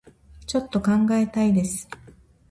ちょっと考えたいです